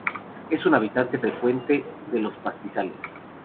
Es un habitante frecuente de los pastizales.